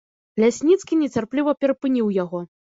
Лясніцкі нецярпліва перапыніў яго.